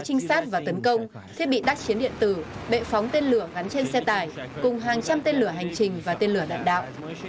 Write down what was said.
trinh sát và tấn công thiết bị đắc chiến điện tử bệ phóng tên lửa gắn trên xe tải cùng hàng trăm tên lửa hành trình và tên lửa đạn đạo